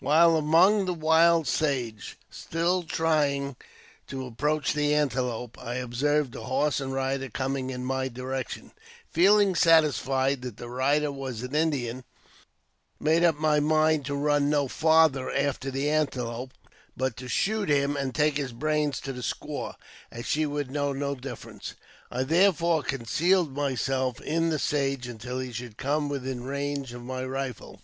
While among the wild sage, still trying to approach the antelope, I observed a horse and rider coming in my direction » Feeling satisfied that the rider was an Indian, I at once made up my mind to run no farther after the antelope, but to shoo t him, and take his brains to the squaw, as she would know no difference. I therefore concealed myself in the sage until he should come within range of my rifle.